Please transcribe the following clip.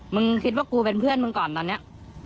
คิดว่ากูเป็นเพื่อนมึงก่อนตอนนี้